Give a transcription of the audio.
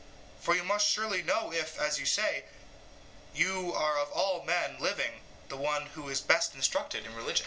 For you must surely know if, as you say, you are of all men living the one who is best instructed in religion.